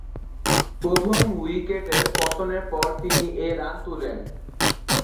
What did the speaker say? প্রথম উইকেটের পতনের পর তিনি এ রান তুলেন।